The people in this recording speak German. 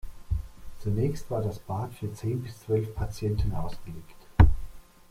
Zunächst war das Bad für zehn bis zwölf Patienten ausgelegt.